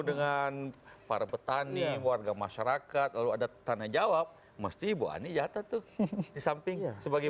dengan para petani warga masyarakat lalu ada tanda jawab mesti ibu ani jatah tuh di samping sebagai